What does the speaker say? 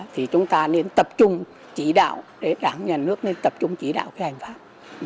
thì chúng ta nên tập trung chỉ đạo đảng nhà nước nên tập trung chỉ đạo cái hành pháp